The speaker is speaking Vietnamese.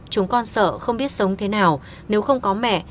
chúng con sợ không biết sống thế nào nếu không có mẹ